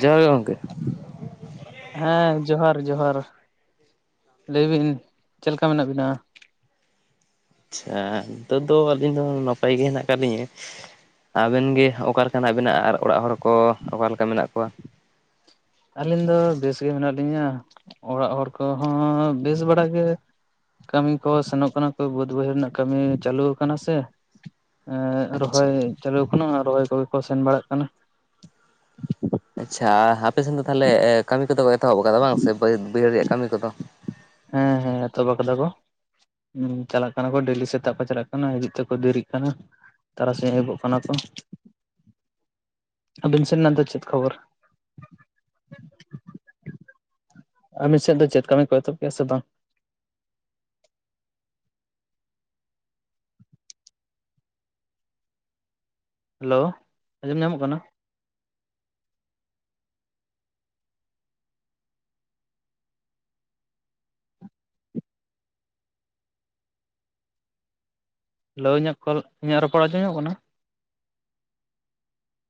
ᱡᱚᱦᱟᱨ ᱜᱮ ᱜᱚᱢᱠᱮ ᱾ ᱦᱮᱸ ᱡᱚᱦᱟᱨ ᱡᱚᱦᱟᱨ᱾ ᱞᱟᱹᱭ ᱵᱤᱱ ᱪᱮᱫ ᱞᱮᱠᱟ ᱢᱮᱱᱟᱜ ᱵᱤᱱᱟ? ᱟᱪᱷᱟ ᱱᱤᱛᱚᱜ ᱫᱚ ᱟᱹᱞᱤᱧ ᱫᱚ ᱱᱟᱯᱟᱭ ᱜᱮ ᱦᱮᱱᱟᱜ ᱟᱠᱟᱫ ᱞᱤᱧᱟᱹ᱾ ᱟᱵᱮᱱ ᱜᱮ ᱚᱠᱟᱞᱮᱠᱟ ᱦᱮᱱᱟᱜ ᱵᱮᱱᱟ ᱟᱨ ᱚᱲᱟᱜ ᱦᱚᱲᱠᱚ ᱚᱠᱟᱞᱮᱠᱟ ᱢᱮᱱᱟᱜ ᱠᱚᱣᱟ? ᱟᱹᱞᱤᱧ ᱫᱚ ᱵᱮᱥᱜᱮ ᱢᱮᱱᱟᱜ ᱞᱤᱧᱟᱹ ᱚᱲᱟᱜ ᱦᱚᱲ ᱠᱚᱦᱚᱸ ᱵᱮᱥ ᱵᱟᱲᱟ ᱜᱮ᱾ ᱠᱟᱹᱢᱤ ᱠᱚ ᱥᱮᱱᱚᱜ ᱠᱟᱱᱟ ᱠᱚ ᱵᱟᱹᱫ ᱵᱟᱹᱭᱦᱤᱟᱹᱲ ᱨᱮᱱᱟᱜ ᱠᱟᱹᱢᱤ ᱪᱟᱹᱞᱩ ᱟᱠᱟᱱᱟ ᱥᱮ᱾ ᱟᱪᱪᱷᱟ ᱨᱚᱦᱚᱭ ᱪᱟᱹᱞᱩ ᱟᱠᱟᱱᱟ ᱨᱚᱦᱚᱭ ᱠᱚᱜᱮ ᱠᱚ ᱥᱮᱱ ᱵᱟᱲᱟᱜ ᱠᱟᱱᱟ᱾ ᱟᱪᱪᱷᱟ ᱟᱯᱮ ᱥᱮᱱ ᱫᱚ ᱛᱟᱦᱚᱞᱮ ᱠᱟᱹᱢᱤ ᱠᱚᱫᱚ ᱠᱚ ᱮᱛᱚᱦᱚᱵ ᱟᱠᱟᱫᱟ ᱵᱟᱝ ᱥᱮ ᱵᱟᱹᱭ ᱵᱟᱹᱭᱦᱟᱹᱲ ᱨᱮᱭᱟᱜ ᱠᱟᱹᱢᱤ ᱠᱚᱫᱚ᱾ ᱦᱮᱸ ᱦᱮᱸ ᱮᱛᱚᱵ ᱟᱠᱟᱫᱟ ᱠᱚ᱾ ᱦᱩᱸ ᱪᱟᱞᱟᱜ ᱠᱟᱱᱟ ᱠᱚ ᱰᱮᱞᱤ ᱥᱮᱛᱟᱜ ᱠᱚ ᱪᱟᱞᱟᱜ ᱠᱟᱱᱟ ᱦᱤᱡᱩᱜ ᱛᱮᱠᱚ ᱫᱮᱨᱤᱜ ᱠᱟᱱᱟ᱾ ᱛᱟᱨᱟᱥᱤᱧ ᱟᱭᱩᱵᱜ ᱠᱟᱱᱟ ᱠᱚ ᱟᱹᱵᱤᱱ ᱥᱮᱱᱟᱜ ᱫᱚ ᱪᱮᱫ ᱠᱷᱚᱵᱚᱨ? ᱟᱵᱤᱱ ᱥᱮᱫ ᱫᱚ ᱪᱮᱫ ᱠᱟᱢᱤ ᱠᱚ ᱮᱛᱦᱚᱵ ᱠᱮ ᱥᱮ ᱵᱟᱝ? ᱦᱮᱞᱳ ᱟᱸᱡᱚᱢ ᱧᱟᱢᱚᱜ ᱠᱟᱱᱟ᱾ ᱦᱮᱞᱳ ᱤᱧᱟᱹᱜ ᱠᱚᱞ ᱤᱧᱟᱹᱜ ᱨᱚᱯᱚᱲ ᱟᱸᱡᱚᱢ ᱧᱟᱢᱜ ᱠᱟᱱᱟ᱾